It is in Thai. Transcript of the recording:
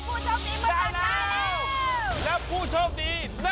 โกยอีกค่ะได้ผู้โชคดีมาจากนั้นแล้ว